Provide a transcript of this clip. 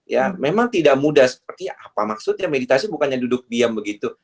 ya memang tidak mudah seperti apa maksudnya meditasi bukannya duduk diam begitu